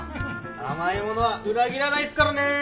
甘いものは裏切らないすからね。